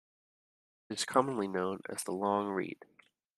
It is commonly known as the "Long Rede".